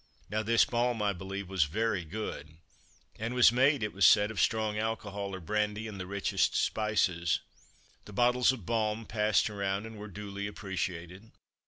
Now this Balm, I believe, was very good, and was made, it was said, of strong alcohol or brandy, and the richest spices. The bottles of "Balm" passed round and were duly appreciated.